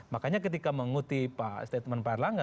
makanya ketika mengutip statement pak erlangga